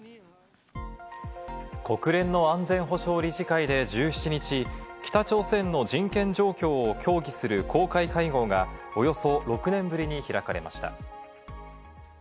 国連の安全保障理事会で１７日、北朝鮮の人権状況を協議する公開会合がおよそ６年ぶりに開かれました。